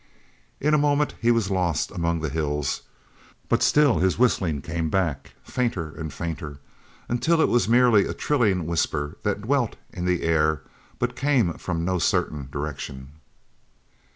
In a moment he was lost among the hills, but still his whistling came back, fainter and fainter, until it was merely a thrilling whisper that dwelt in the air but came from no certain direction.